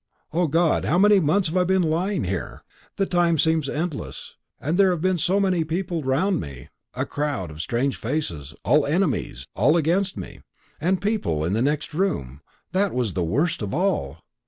O God, how many months have I been lying here? The time seems endless; and there have been so many people round me a crowd of strange faces all enemies, all against me. And people in the next room that was the worst of all.